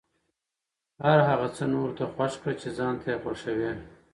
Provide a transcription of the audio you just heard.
هر هغه څه نورو ته خوښ کړه چې ځان ته یې خوښوې.